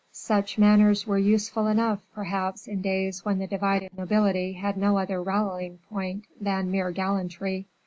"Such manners were useful enough, perhaps, in days when the divided nobility had no other rallying point than mere gallantry.